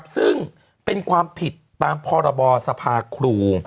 ซึ่งเป็นความผิดตามพรบสภาครู